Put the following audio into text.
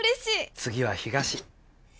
次は東。